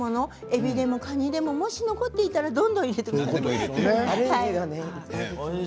えびでもカニでももし残っていたらどんどん入れてください。